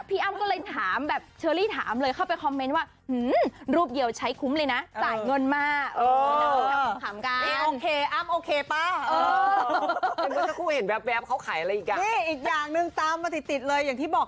อ้ำก็เลยถามแบบเชอรี่ถามเลยเข้าไปคอมเมนต์ว่ารูปเดียวใช้คุ้มเลยนะจ่ายเงินมาก